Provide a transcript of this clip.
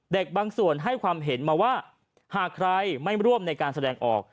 บางส่วนให้ความเห็นมาว่าหากใครไม่ร่วมในการแสดงออก